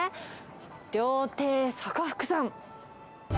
料亭坂福さん。